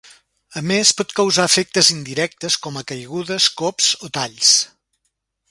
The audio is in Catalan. A més pot causar efectes indirectes com a caigudes, cops o talls.